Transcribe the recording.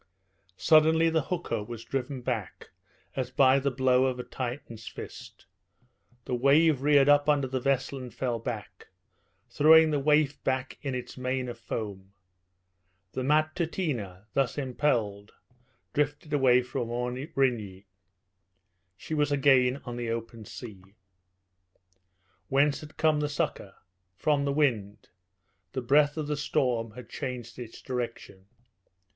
Suddenly the hooker was driven back, as by the blow of a Titan's fist. The wave reared up under the vessel and fell back, throwing the waif back in its mane of foam. The Matutina, thus impelled, drifted away from Aurigny. She was again on the open sea. Whence had come the succour? From the wind. The breath of the storm had changed its direction.